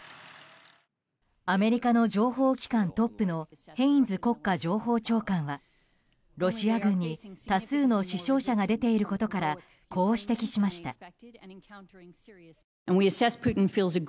アメリカの情報機関トップのヘインズ国家情報長官はロシア軍に多数の死傷者が出ていることからこう指摘しました。